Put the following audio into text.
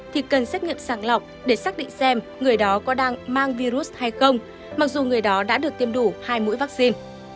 thì cần xét nghiệm sàng lọc để xác định xem người đó có đang mang virus hay không mặc dù người đó đã được tiêm đủ hai mũi vaccine